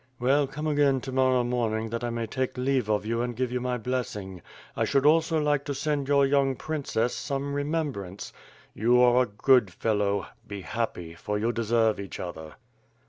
"Well, come again to morrow that I may take leave of you and give you my blessing. I should also like to send your young princess some remembrance. You are a good fellow; be happy, for you deserve each other.